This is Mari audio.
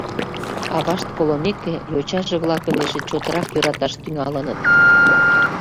Авашт колымеке, йочаже-влакым эше чотрак йӧраташ тӱҥалыныт.